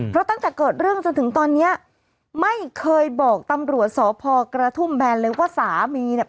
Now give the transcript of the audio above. เพราะตั้งแต่เกิดเรื่องจนถึงตอนเนี้ยไม่เคยบอกตำรวจสพกระทุ่มแบนเลยว่าสามีเนี่ย